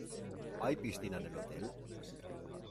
¿Hay piscina en el hotel?